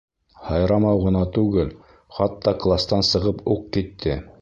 Һайрамау ғына түгел, хатта кластан сығып уҡ китте.